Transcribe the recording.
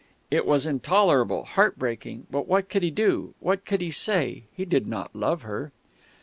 It was intolerable, heartbreaking; but what could he do what could he say? He did not love her...